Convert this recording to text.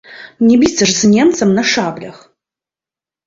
Не біцца ж з немцам на шаблях.